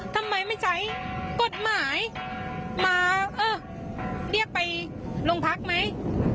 ทำไมไม่ใช้กฎหมายมาเออเรียกไปโรงพักไหม